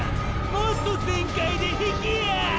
もっと全開で引きや！！